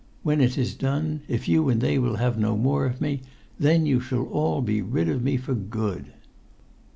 When it is done, if you and they will have no more of me, then you shall all be rid of me for good."